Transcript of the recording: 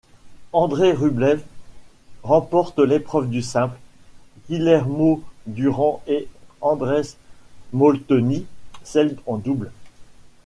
Andrey Rublev remporte l'épreuve du simple, Guillermo Durán et Andrés Molteni celle en double.